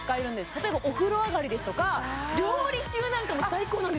例えばお風呂上がりですとか料理中なんかも最高なんですよ